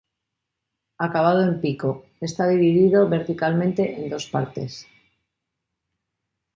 Acabado en pico, está dividido verticalmente en dos partes.